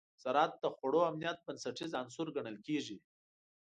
زراعت د خوړو امنیت بنسټیز عنصر ګڼل کېږي.